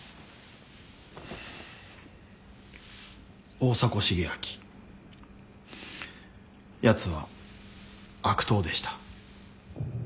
大迫重明やつは悪党でした。